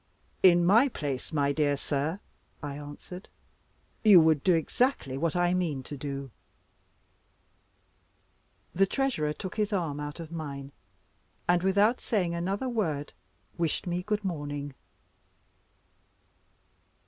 "In my place, my dear sir," I answered, "you would do exactly what I mean to do." The Treasurer took his arm out of mine, and without saying another word, wished me good morning.